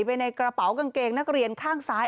ไปในกระเป๋ากางเกงนักเรียนข้างซ้าย